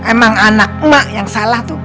emang anak emak yang salah tuh